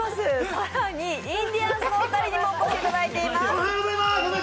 更にインディアンスのお二人にもお越しいただいています。